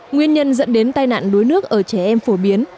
nguyên nhân dẫn đến tai nạn đuối nước ở trẻ em phổ biến